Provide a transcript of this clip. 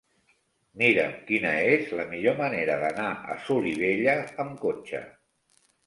Mira'm quina és la millor manera d'anar a Solivella amb cotxe.